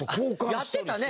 やってたね